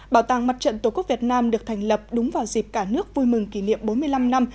bảo tàng mặt trận tổ quốc việt nam được thành lập đúng vào dịp cả nước vui mừng kỷ niệm bốn mươi năm năm